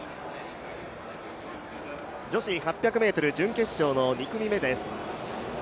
女子８００ｍ準決勝の２組目です